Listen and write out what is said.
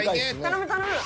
頼む頼む。